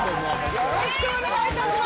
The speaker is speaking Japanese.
よろしくお願いします。